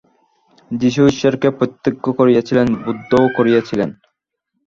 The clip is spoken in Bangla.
যীশু ঈশ্বরকে প্রত্যক্ষ করিয়াছিলেন, বুদ্ধও করিয়াছিলেন।